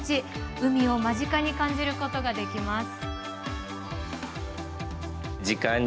海を間近に感じることができます。